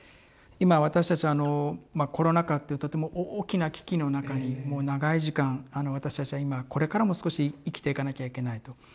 今私たちはあのコロナ禍っていうとても大きな危機の中にもう長い時間私たちは今これからも少し生きていかなきゃいけないと。